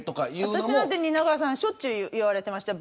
私は蜷川さんにしょっちゅう言われてました。